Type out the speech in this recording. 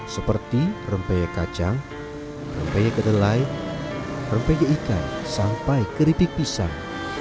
seperti rempeye kacang rempeye kedelai rempeye ikan sampai keripik pisang